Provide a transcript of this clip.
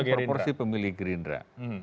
proporsi pemilih gerindra